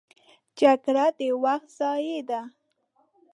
جګړه د وخت ضیاع ده